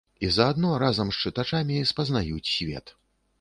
І заадно разам з чытачамі спазнаюць свет.